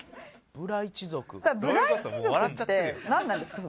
ブラ一族ってなんなんですか？